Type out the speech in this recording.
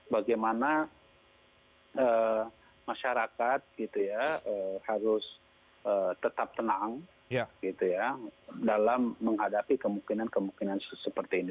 bagaimana masyarakat harus tetap tenang dalam menghadapi kemungkinan kemungkinan seperti ini